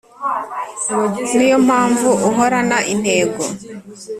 ni yo mpamvu uhorana intego